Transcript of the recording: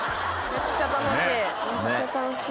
めっちゃ楽しい。